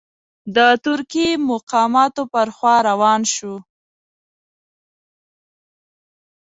د ترکي مقاماتو پر خوا روان شو.